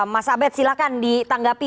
mas abed silahkan ditanggapi